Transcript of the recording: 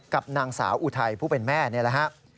กับนางสาวอุทัยผู้เป็นแม่นี่แหละฮะ